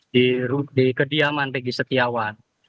di kediaman riki setiawan